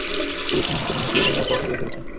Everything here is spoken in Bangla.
কুকুরছানা হাতে মনে হচ্ছিল যেন ও পথ হারিয়ে ফেলেছে।